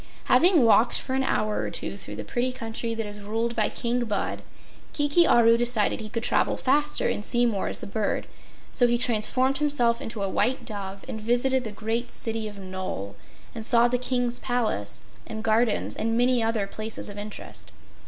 Having walked for an hour or two through the pretty country that is ruled by King Bud, Kiki Aru decided he could travel faster and see more as a bird, so he transformed himself into a white dove and visited the great city of Nole and saw the King's palace and gardens and many other places of interest.